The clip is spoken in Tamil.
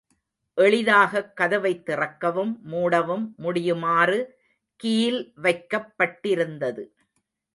எளிதாகக் கதவைத் திறக்கவும், மூடவும் முடியுமாறு கீல் வைக்கப் பட்டிருந்தது.